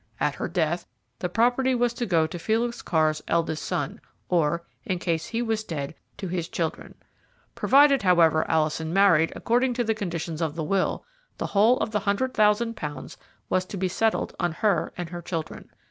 At her death the property was to go to Felix Carr's eldest son, or, in case he was dead, to his children. Provided, however, Alison married according to the conditions of the will, the whole of the hundred thousand pounds was to be settled on her and her children.